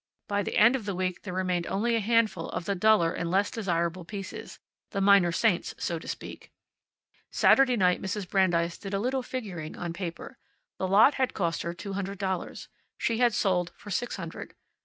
By the end of the week there remained only a handful of the duller and less desirable pieces the minor saints, so to speak. Saturday night Mrs. Brandeis did a little figuring on paper. The lot had cost her two hundred dollars. She had sold for six hundred.